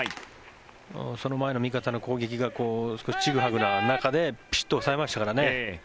その前の味方の攻撃が少しちぐはぐな中でピシッと抑えましたからね。